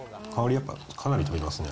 やっぱりかなり飛びますね。